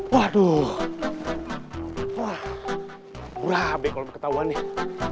waduh wah berabeh ketauan nih